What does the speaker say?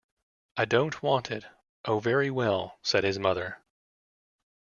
“I don’t want it.” “Oh, very well,” said his mother.